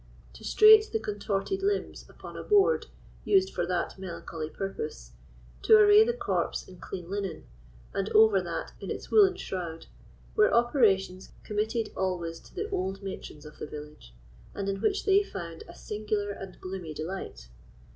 To straight the contorted limbs upon a board used for that melancholy purpose, to array the corpse in clean linen, and over that in its woollen shroad, were operations committed always to the old matrons of the village, and in which they found a singular and gloomy delight.